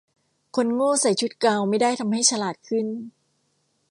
คนโง่ใส่ชุดกาวน์ไม่ได้ทำให้ฉลาดขึ้น